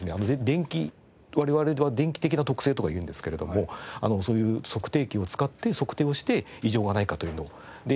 電気我々では電気的な特性とかいうんですけれどもそういう測定器を使って測定をして異常がないかというのを。